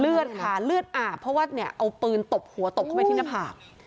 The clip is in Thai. เลือดค่ะเลือดอาบเพราะว่าเนี่ยเอาปืนตบหัวตบเข้าไปที่หน้าผาก